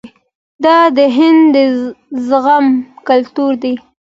دا د هند د زغم کلتور دی.